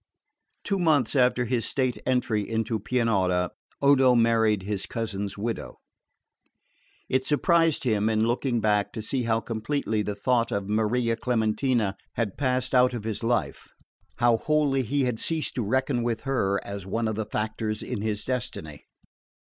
Two months after his state entry into Pianura Odo married his cousin's widow. It surprised him, in looking back, to see how completely the thought of Maria Clementina had passed out of his life, how wholly he had ceased to reckon with her as one of the factors in his destiny.